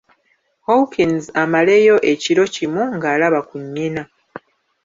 Hawkins amaleyo ekiro kimu ng'alaba ku nnyina.